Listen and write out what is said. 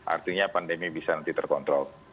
artinya pandemi bisa nanti terkontrol